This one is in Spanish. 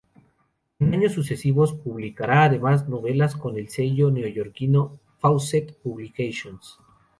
En años sucesivos publicará además novelas con el sello neoyorquino Fawcett Publications.